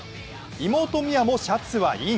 妹・美和もシャツはイン。